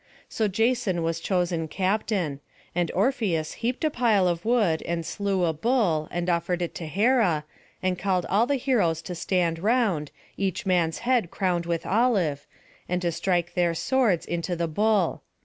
So Jason was chosen captain: and Orpheus heaped a pile of wood and slew a bull, and offered it to Hera, and called all the heroes to stand round, each man's head crowned with olive, and to strike their swords into the bull.